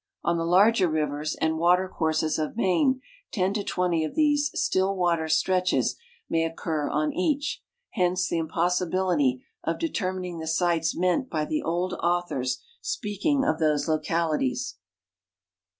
On tiie larger rivers and watercourses of Maine ten to twenty of these "still water stretches " may occur on each ; lience the imposi ibility of determining the sites meant by the old authors speaking of these localities.